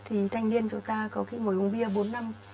thì thanh niên chúng ta có khi ngồi uống bia bốn năm